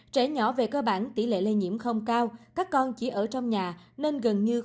trẻ nhỏ về cơ bản tỷ lệ lây nhiễm không cao các con chỉ ở trong nhà nên gần như không có thể tiêm vaccine